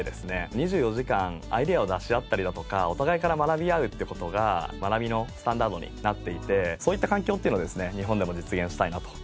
２４時間アイデアを出し合ったりだとかお互いから学び合うって事が学びのスタンダードになっていてそういった環境っていうのを日本でも実現したいなと。